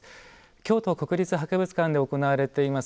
京都国立博物館で行われています